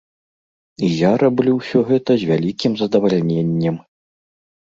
І я раблю ўсё гэта з вялікім задавальненнем.